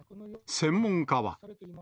専門家は。